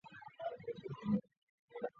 酉有缩小之意。